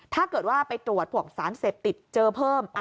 ถ้าเกิดว่าไปตรวจพวกสารเสพติดเจอเพิ่ม